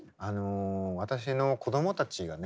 私の子どもたちがね